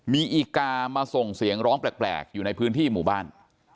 มีอีกามาส่งเสียงร้องแปลกอยู่ในพื้นที่หมู่บ้าน